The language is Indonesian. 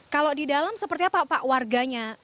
kalau di dalam seperti apa pak warganya